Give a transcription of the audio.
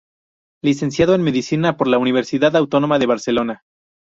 Licenciado en medicina por la Universidad Autónoma de Barcelona.